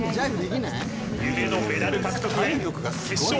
夢のメダル獲得へ決勝